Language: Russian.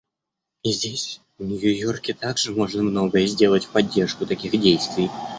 И здесь, в Нью-Йорке, также можно многое сделать в поддержку таких действий.